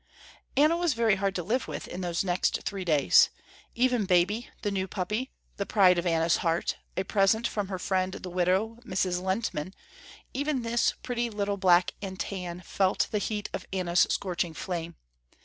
Anna was very hard to live with in those next three days. Even Baby, the new puppy, the pride of Anna's heart, a present from her friend the widow, Mrs. Lehntman even this pretty little black and tan felt the heat of Anna's scorching flame.